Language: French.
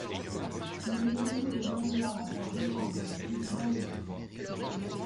Il est remis au lauréat à Paris par le président du jury.